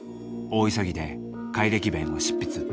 大急ぎで「改暦弁」を執筆。